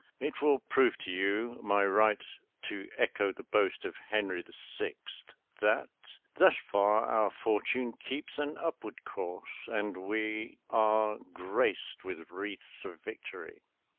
It will prove to you my right to echo the boast of Henry VI., that, " Thus far our fortune keeps an upward course, And we are grae'd with wreaths of victory."